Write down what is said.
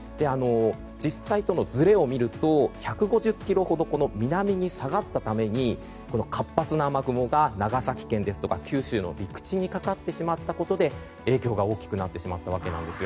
実際との、ずれを見ると１５０ｋｍほど南に下がったために、活発な雨雲が長崎県ですとか九州の陸地にかかってしまったことで影響が大きくなってしまったわけなんですよ。